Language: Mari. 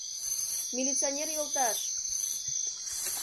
— Милиционер йолташ!